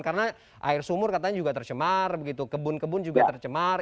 karena air sumur katanya juga tercemar kebun kebun juga tercemar